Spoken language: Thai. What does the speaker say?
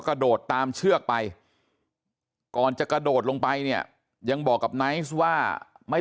กระโดดตามเชือกไปก่อนจะกระโดดลงไปเนี่ยยังบอกกับไนท์ว่าไม่